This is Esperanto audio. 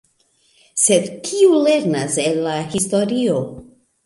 Sed kiu lernas el la historio?